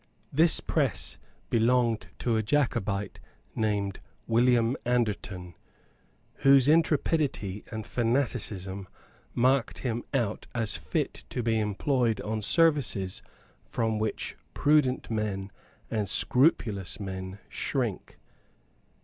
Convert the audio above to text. This press belonged to a Jacobite named William Anderton, whose intrepidity and fanaticism marked him out as fit to be employed on services from which prudent men and scrupulous men shrink.